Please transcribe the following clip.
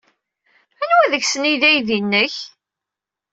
Anwa deg-sen ay d aydi-nnek?